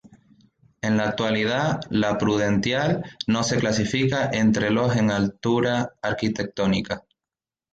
En la actualidad, la Prudential no se clasifica entre los en altura arquitectónica.